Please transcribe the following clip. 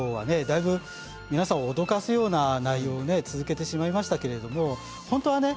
だいぶ皆さんを脅かすような内容をね続けてしまいましたけれども本当はね